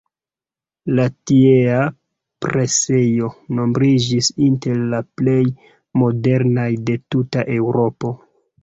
La tiea presejo nombriĝis inter la plej modernaj de tuta Eŭropo.